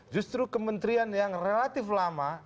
justru kementerian yang relatif lama